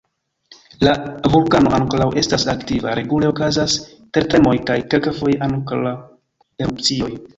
La vulkano ankoraŭ estas aktiva: regule okazas tertremoj kaj kelkfoje ankaŭ erupcioj.